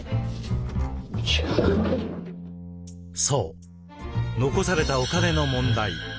そう残されたお金の問題。